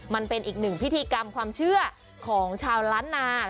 มันเป็นอีกหนึ่งพิธีกรรมความเชื่อของชาวล้านนา